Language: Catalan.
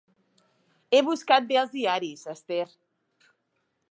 He buscat bé als diaris, Esther.